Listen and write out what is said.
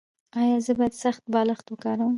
ایا زه باید سخت بالښت وکاروم؟